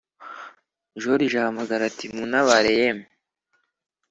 Joriji ahamagara ati:” muntabare yemwe?